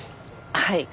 はい。